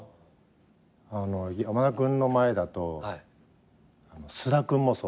山田君の前だと菅田君もそう。